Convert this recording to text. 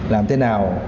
làm thế nào